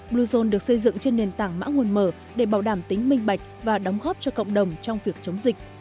bluezone được xây dựng trên nền tảng mã nguồn mở để bảo đảm tính minh bạch và đóng góp cho cộng đồng trong việc chống dịch